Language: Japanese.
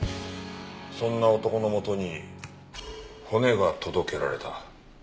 そんな男の元に骨が届けられた。